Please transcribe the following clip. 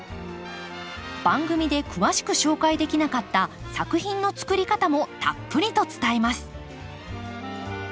番組で詳しく紹介できなかった作品のつくり方もたっぷりと伝えます。